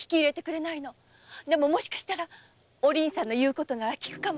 でももしかしたらお凛さんの言うことならきくかもしれない。